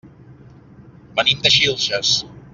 Venim de Xilxes.